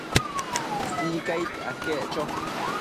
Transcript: Sicaid aquec cho